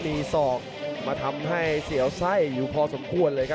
มีศอกมาทำให้เสียวไส้อยู่พอสมควรเลยครับ